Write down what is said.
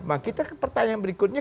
nah kita pertanyaan berikutnya